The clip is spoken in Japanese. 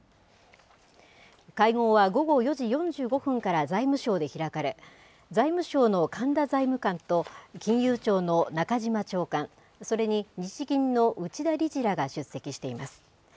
会合は午後４時４５分から財務省で開かれ、財務省の神田財務官と、金融庁の中島長官、それに日銀の内田理事らが出席しています。